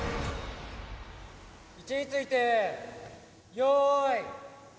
位置について用意。